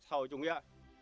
hầu chủ nghĩa